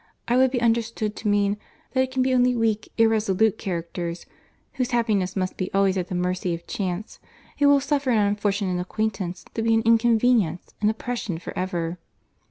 I would be understood to mean, that it can be only weak, irresolute characters, (whose happiness must be always at the mercy of chance,) who will suffer an unfortunate acquaintance to be an inconvenience, an oppression for ever."